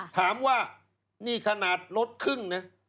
ถามว่านี่ขนาดลดครึ่งนะ